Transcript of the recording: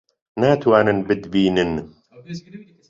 ناتوانن بتبینن.